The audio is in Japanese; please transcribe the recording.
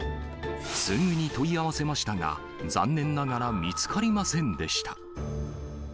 すぐに問い合わせましたが、残念ながら見つかりませんでした。